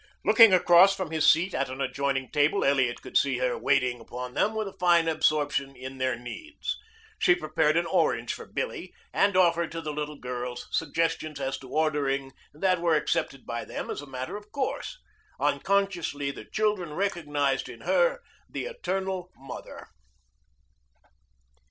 Looking across from his seat at an adjoining table, Elliot could see her waiting upon them with a fine absorption in their needs. She prepared an orange for Billie and offered to the little girls suggestions as to ordering that were accepted by them as a matter of course. Unconsciously the children recognized in her the eternal Mother.